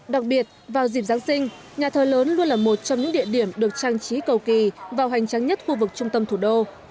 đặc biệt vào dịp giáng sinh nhà thờ lớn luôn là một trong những địa điểm được trang trí cầu kỳ và hoành tráng nhất khu vực trung tâm thủ đô